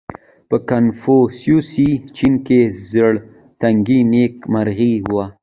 • په کنفوسیوسي چین کې زړهتنګي نېکمرغي وه.